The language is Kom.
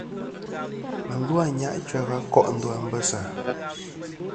Và lu a Anyajua va ko' ndu a Mbessa.